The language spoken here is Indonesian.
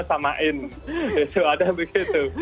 begitu arhan itu menjadi idola bagi kita